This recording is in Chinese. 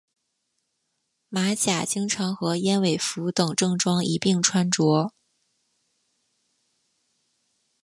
马甲经常和燕尾服等正装一并穿着。